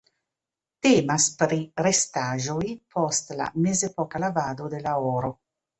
Temas pri restaĵoj post la mezepoka lavado de la oro.